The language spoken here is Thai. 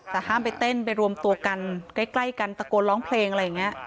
แต่ห้ามไปเต้นไปรวมตัวกันใกล้กันตะโกนร้องเพลงอะไรอย่างนี้